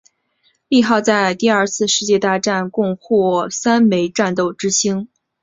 利号在第二次世界大战共获得三枚战斗之星。